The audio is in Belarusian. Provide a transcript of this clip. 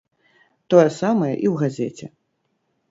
Тое самае і ў газеце.